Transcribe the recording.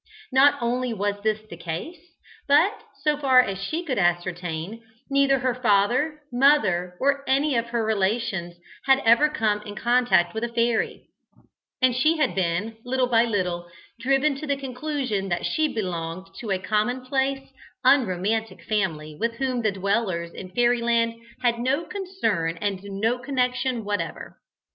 Not only was this the case, but, so far as she could ascertain, neither her father, mother, or any of her relations had ever come in contact with a fairy, and she had been, little by little, driven to the conclusion that she belonged to a commonplace, unromantic family, with whom the dwellers in fairyland had no concern and no connection whatever.